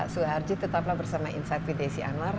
suharji tetaplah bersama insight with desi anwar